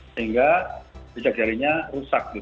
sehingga jejak jarinya rusak